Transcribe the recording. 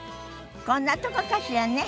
こんなとこかしらね。